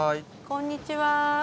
こんにちは。